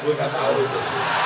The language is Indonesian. saya sudah tahu itu